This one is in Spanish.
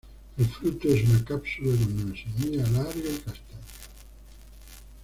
El fruto es una cápsula con una semilla larga y castaña.